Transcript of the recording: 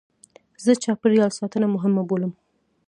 زه چاپېریال ساتنه مهمه بولم.